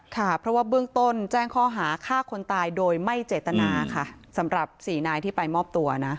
ค่ะเพราะว่าเบื้องต้นแจ้งข้อหาฆ่าคนตายโดยไม่เจตนาค่ะสำหรับสี่นายที่ไปมอบตัวนะ